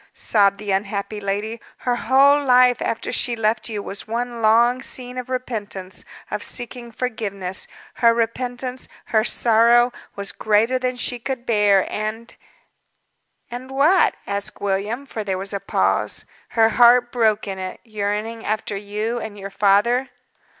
sobbed the unhappy lady, "her whole life, after she left you, was one long scene of repentance, of seeking forgiveness. Her repentance, her sorrow, was greater than she could bear, and " "And what?" asked William, for there was a pause. "Her heart broke in it yearning after you and your father."